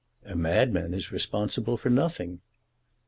"A madman is responsible for nothing."